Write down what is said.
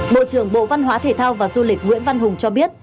bộ trưởng bộ văn hóa thể thao và du lịch nguyễn văn hùng cho biết